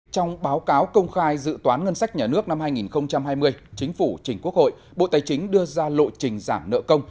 trong báo cáo công khai dự toán ngân sách nhà nước năm hai nghìn hai mươi chính phủ trình quốc hội bộ tài chính đưa ra lộ trình giảm nợ công